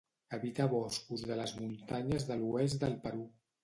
Habita boscos de les muntanyes de l'oest del Perú.